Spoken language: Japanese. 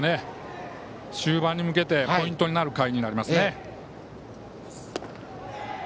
終盤に向けてポイントになる回ですね。